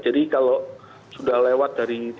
jadi kalau sudah lewat dari tiga